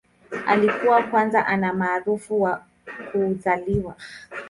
Alikuwa kwanza ana umaarufu wa kuzaliwa.